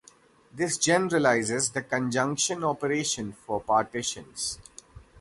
This generalizes the conjugation operation for partitions.